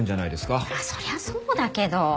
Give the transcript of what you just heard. そりゃそうだけど。